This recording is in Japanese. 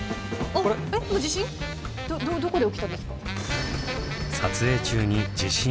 どどこで起きたんですか？